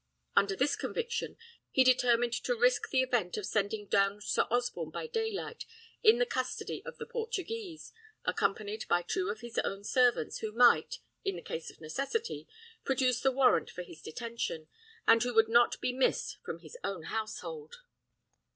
Under this conviction, he determined to risk the event of sending down Sir Osborne by daylight, in the custody of the Portuguese, accompanied by two of his own servants, who might, in case of necessity, produce the warrant for his detention, and who would not be missed from his own household.